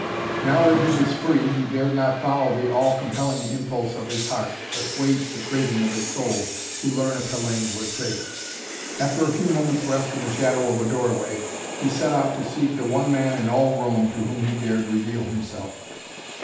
Now, that he was free, he dared not follow the all compelling impulse of his heart, assuage the craving of his soul, to learn if Hellayne was safe. After a few moments rest in the shadow of a doorway he set out to seek the one man in all Rome to whom he dared reveal himself.